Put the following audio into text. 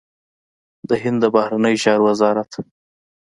د هند د بهرنيو چارو وزارت